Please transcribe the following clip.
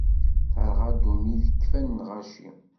Terɣa ddunit, kenfen lɣaci.